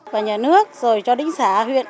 và nhà nước rồi cho đến xã huyện